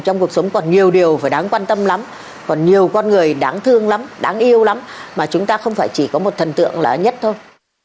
trong cuộc sống còn nhiều điều phải đáng quan tâm lắm còn nhiều con người đáng thương lắm đáng yêu lắm mà chúng ta không phải chỉ có một thần tượng là nhất thôi